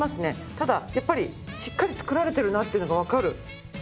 ただやっぱりしっかり作られてるなっていうのがわかる。